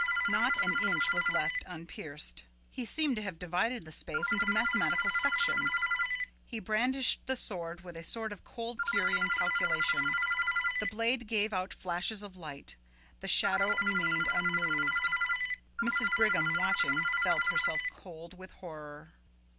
Not an inch was left unpierced. He seemed to have divided the space into mathematical sections. He brandished the sword with a sort of cold fury and calculation; the blade gave out flashes of light, the shadow remained unmoved. Mrs. Brigham, watching, felt herself cold with horror.